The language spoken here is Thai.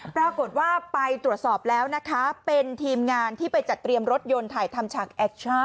ปรากฏว่าไปตรวจสอบแล้วนะคะเป็นทีมงานที่ไปจัดเตรียมรถยนต์ถ่ายทำฉากแอคช่า